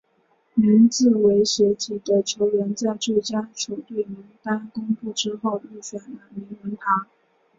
名字为斜体的球员在最佳球队名单公布之后入选了名人堂。